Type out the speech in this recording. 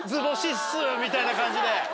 みたいな感じで。